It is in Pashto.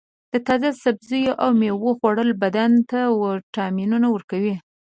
د تازه سبزیو او میوو خوړل بدن ته وټامینونه ورکوي.